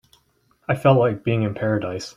I felt like being in paradise.